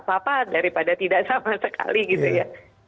apa apa daripada tidak sama sekali gitu ya